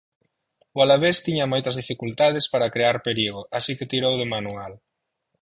O Alavés tiña moitas dificultades para crear perigo, así que tirou de manual.